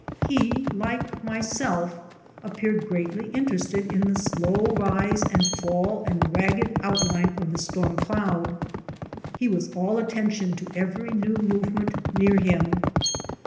He, like myself, appeared greatly interested in the slow rise and fall and ragged outline of the storm cloud. He was all attention to every new move ment near him.